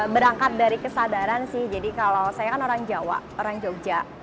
berangkat dari kesadaran sih jadi kalau saya kan orang jawa orang jogja